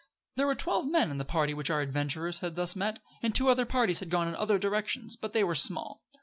There were twelve men in the party which our adventurers had thus met; and two other parties had gone in other directions; but they were small.